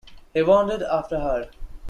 He wandered after her.